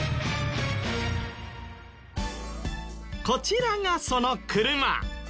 こちらがその車。